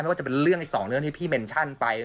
ว่าจะเป็นเรื่องอีก๒เรื่องที่พี่เมนชั่นไป